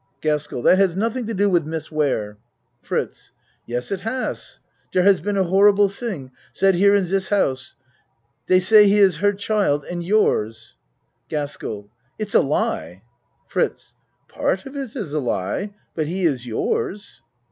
GASKELL That has nothing to do with Miss Ware. FRITZ Yes, it has. Der has been a horrible thing said here in dis house. Dey say he is her child and yours. GASKELL It's a lie! FRITZ Part of it is a lie but he is yours.